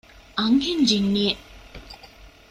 އަންހެން ޖިންނިއެއް